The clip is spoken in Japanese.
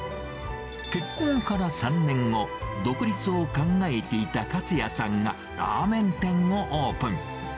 結婚から３年後、独立を考えていた勝也さんがラーメン店をオープン。